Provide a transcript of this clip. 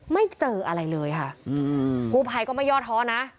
ไม่เจออะไรเลยค่ะอืมกู้ภัยก็ไม่ย่อท้อนะ